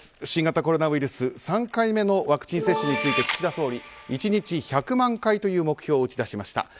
新型コロナウイルスの３回目のワクチン接種について岸田総理１日１００万回という目標を打ち出しました。